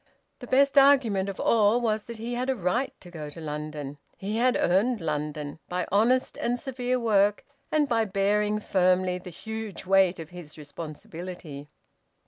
The best argument of all was that he had a right to go to London. He had earned London, by honest and severe work, and by bearing firmly the huge weight of his responsibility.